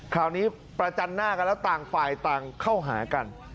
คราวนี้ประจันหน้ากันแล้วต่างฝ่ายต่างเข้าหากัน